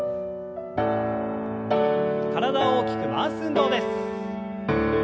体を大きく回す運動です。